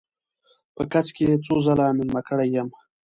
په کڅ کې یې څو ځله میلمه کړی یم.